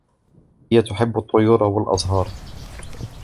هي تحب الطيور و الأزهار.